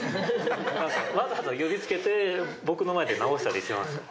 わざわざ呼びつけて僕の前で直したりしてましたもん。